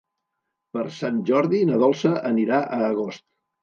Per Sant Jordi na Dolça anirà a Agost.